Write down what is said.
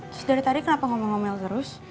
terus dari tadi kenapa ngome ngomel terus